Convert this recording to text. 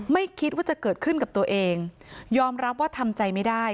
ไม่คิดว่าจะเกิดขึ้นกับตัวเองยอมรับว่าทำใจไม่ได้